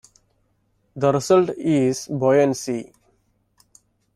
The result is buoyancy.